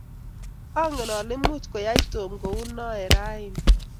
angen ale much koyai Tom kou noe raini.